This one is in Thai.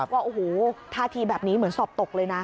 ว่าโอ้โหท่าทีแบบนี้เหมือนสอบตกเลยนะ